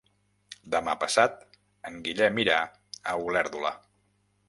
Demà passat en Guillem irà a Olèrdola.